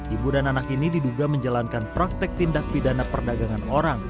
ibu dan anak ini diduga menjalankan praktek tindak pidana perdagangan orang